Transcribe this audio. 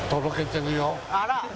あら！